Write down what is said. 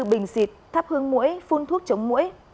bình xịt thắp hương mũi phun thuốc chống mũi